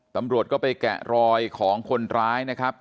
ตำรวจก็ไปแกะรอยของคนร้ายนะครับ